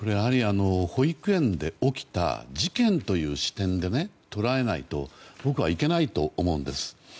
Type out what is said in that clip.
保育園で起きた事件という視点で捉えないと僕は、いけないと思うんです。